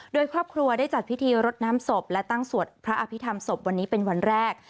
โดยครอบครัวได้จัดพิธีรดน้ำศพและตั้งสวดพระอภิษฐรรมศพวันนี้เป็นวันแรก